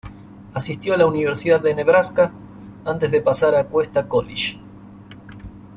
Asistió a la Universidad de Nebraska, antes de pasar a Cuesta College.